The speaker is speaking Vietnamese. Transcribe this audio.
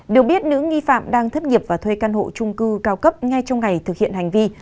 được biết nữ nghi phạm đang thất nghiệp và thuê căn hộ trung cư cao cấp ngay trong ngày thực hiện hành vi